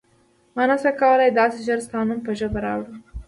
ما نه شو کولای داسې ژر ستا نوم په ژبه راوړم.